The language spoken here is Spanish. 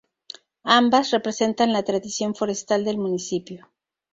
Ambas representan la tradición forestal del municipio.